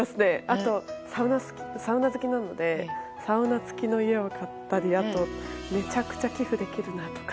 あとサウナ好きなのでサウナ付きの家を買ったりあとめちゃくちゃ寄付できるなと。